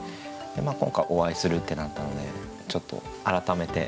今回お会いするってなったのでちょっと改めて歌集も読ませて頂いて。